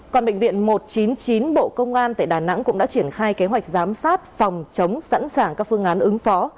còn bệnh viện một trăm chín mươi chín bộ công an tại đà nẵng cũng đã triển khai kế hoạch giám sát phòng chống sẵn sàng các phương án ứng phó